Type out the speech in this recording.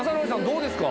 どうですか？